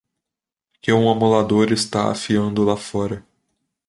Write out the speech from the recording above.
que um amolador está afiando lá fora